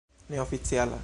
neoficiala